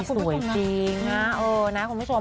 สวยจริงนะคุณผู้ชม